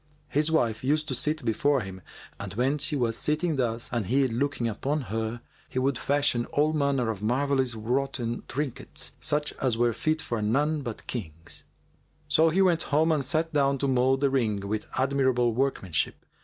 [FN#405] His wife used to sit before him, and when she was sitting thus and he looking upon her,[FN#406] he would fashion all manner of marvellously wroughten trinkets, such as were fit for none but kings. So he went home and sat down to mould the ring with admirable workmanship.